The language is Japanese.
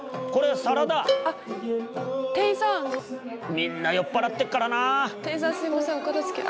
みんな酔っ払ってっからなあ。